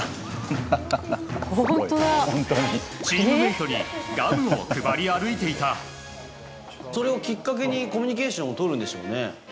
チームメートにガムを配り歩いてそれをきっかけに、コミュニケーションを取るんでしょうね。